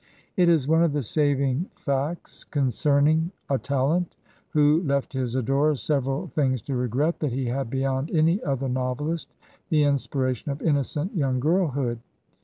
It is one of tiie saving facts concerning a talent who left his adorers several things to regret, that he had beyond any other novelist the in spiration of innocent young girlhood.